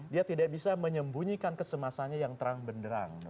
dia tidak bisa menyembunyikan kesemasannya yang terang benderang